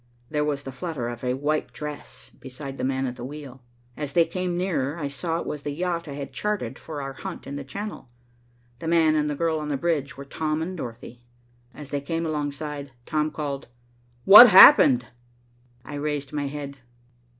There was the flutter of a white dress beside the man at the wheel. As they came nearer, I saw it was the yacht I had chartered for our hunt in the Channel. The man and the girl on the bridge were Tom and Dorothy. As they came alongside, Tom called. "What happened?" I raised my head.